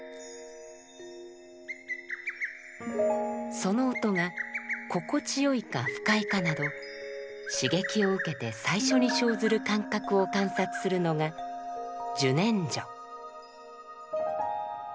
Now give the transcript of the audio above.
その音が心地よいか不快かなど刺激を受けて最初に生ずる感覚を観察するのが「受念処」。